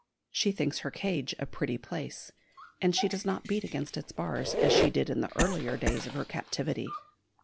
She thinks her cage a pretty place, and she does not beat against its bars as she did in the earlier days of her captivity.